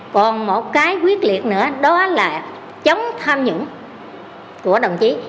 còn một cái quyết liệt nữa đó là chống tham nhũng của đồng chí